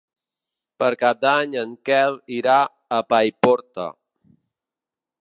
Per Cap d'Any en Quel irà a Paiporta.